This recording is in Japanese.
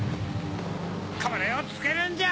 これをつけるんじゃ！